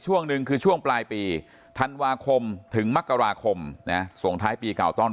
ช่วงหนึ่งคือช่วงปลายปีธันวาคมถึงมกราคมนะส่งท้ายปีเก่าต้อนรับ